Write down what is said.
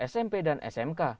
smp dan smk